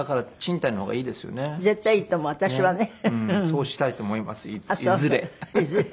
そうしたいと思いますいずれ。